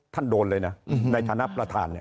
ท่านโดนเลยนะในฐานะประธาน